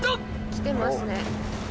きてますね。